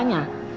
nah nyari kami